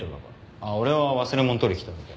あっ俺は忘れ物取りに来ただけ。